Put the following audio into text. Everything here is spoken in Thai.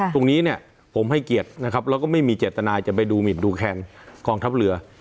ตรงนี้ผมให้เกียรติแล้วก็ไม่มีเจตนายจะไปดูหมิดดูแคลนกองทัพเรือ